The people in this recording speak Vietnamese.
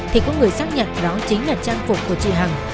thì có người xác nhận đó chính là trang phục của chị hằng